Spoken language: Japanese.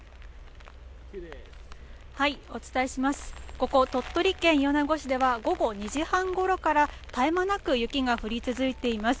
ここ鳥取県米子市では午後２時半ごろから絶え間なく雪が降り続いています。